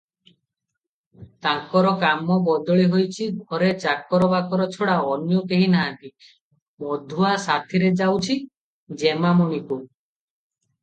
ତାଙ୍କର କାମ ବଦଳିହୋଇଚି- ଘରେ ଚାକର ବାକର ଛଡ଼ା ଅନ୍ୟ କେହି ନାହାନ୍ତି- ମଧୁଆ ସାଥିରେ ଯାଉଚି- ଯେମାମଣିକୁ